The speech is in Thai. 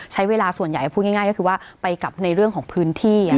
ใช้เวลาส่วนใหญ่พูดง่ายก็คือว่าไปกับในเรื่องของพื้นที่